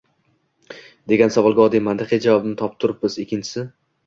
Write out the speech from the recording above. degan savolga oddiy mantiqiy javobni topib turibmiz – ikkinchisi.